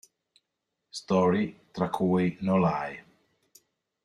Story" tra cui "No Lie".